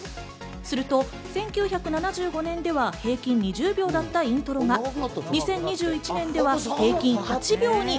すると、１９７５年では平均２０秒だったイントロが２０２１年では平均８秒に。